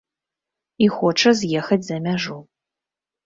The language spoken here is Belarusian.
І хоча з'ехаць за мяжу.